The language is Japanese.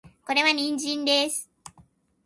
これは人参です